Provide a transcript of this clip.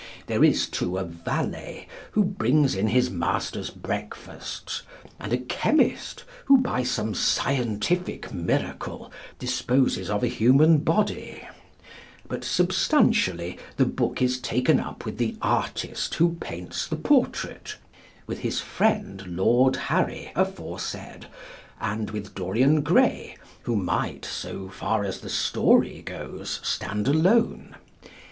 There is, too, a valet who brings in his master's breakfasts, and a chemist who by some scientific miracle, disposes of a human body: but, substantially, the book is taken up with the artist who paints the portrait, with his friend Lord Harry aforesaid, and with Dorian Gray, who might, so far as the story goes, stand alone.